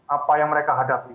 apa yang mereka hadapi